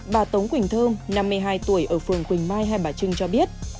bà tống quỳnh thơm năm mươi hai tuổi ở phường quỳnh mai hai bà trưng cho biết